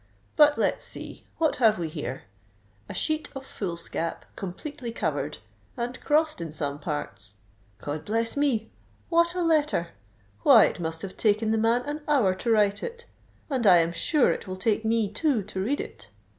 But let's see—what have we here? A sheet of foolscap completely covered—and crossed in some parts. God bless me! what a letter. Why, it must have taken the man an hour to write it; and I am sure it will take me two to read it.